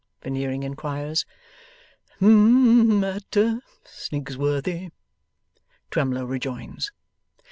Veneering inquires. 'At Snigsworthy,' Twemlow rejoins.